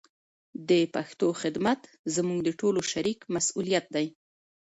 د پښتو خدمت زموږ د ټولو شریک مسولیت دی.